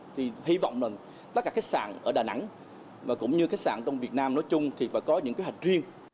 thì hy vọng là tất cả khách sạn ở đà nẵng và cũng như khách sạn trong việt nam nói chung thì phải có những kế hoạch riêng